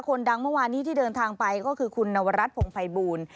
คนดังเมื่อวานนี้ที่เดินทางไปก็คือคุณนวรัฐพงภัยบูล